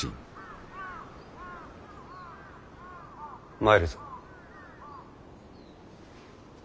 参るぞ。